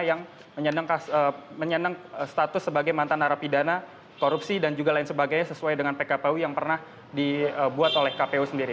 yang menyenang status sebagai mantan narapidana korupsi dan juga lain sebagainya sesuai dengan pkpu yang pernah dibuat oleh kpu sendiri